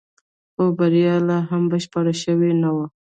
خو بريا لا هم بشپړه شوې نه وه.